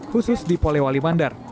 khusus di polewali mandar